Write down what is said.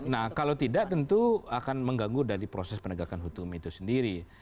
nah kalau tidak tentu akan mengganggu dari proses penegakan hukum itu sendiri